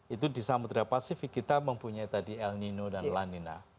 itu di samudera pasifik kita mempunyai tadi el nino dan lanina